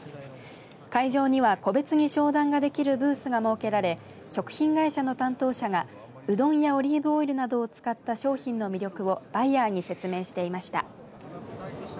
会場には個別に商談ができるブースが設けられ食品会社の担当者がうどんやオリーブオイルなどを使った商品の魅力をバイヤーに説明していました。